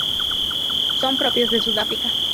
Son propios de Sudáfrica.